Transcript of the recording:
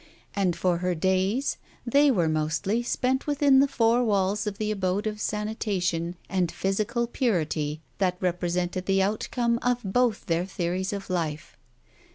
And for her days, they were mostly spent within the four walls of the abode of sanitation and physical purity that represented the outcome of both their theories of life.